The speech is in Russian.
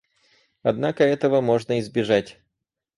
Однако этого можно избежать.